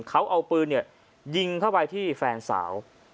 เขาเอาปืนยิงเข้าไปที่แฟนสาว